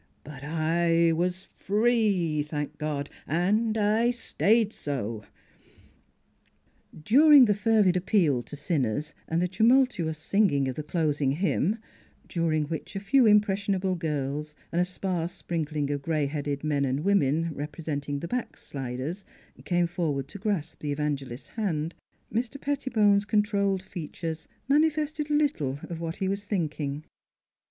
But I was free, thank God. And I stayed so !" During the fervid appeal to sinners and the tumultuous singing of the closing hymn during which a few impressionable girls and a sparse sprinkling of gray headed men and women repre senting the " backsliders," came forward to grasp the Evangelist's hand Mr. Pettibone's con trolled features manifested little of what he was 2 3 2 NEIGHBORS thinking.